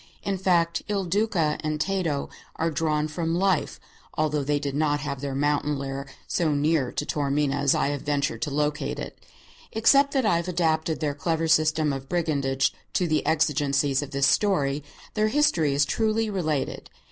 In fact, Il Duca and Tato are drawn from life, although they did not have their mountain lair so near to Taormina as I have ventured to locate it. Except that I have adapted their clever system of brigandage to the exigencies of this story, their history is truly related.